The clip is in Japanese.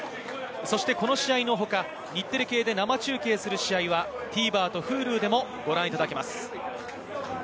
そしてこの試合の他、日テレ系で生中継する試合はＴＶｅｒとＨｕｌｕでもご覧いただけます。